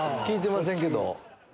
聞いてませんけど。